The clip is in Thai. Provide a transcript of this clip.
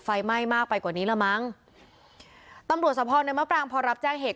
ไฟไหม้มากไปกว่านี้ละมั้งตำรวจสะพอในมะปรางพอรับแจ้งเหตุ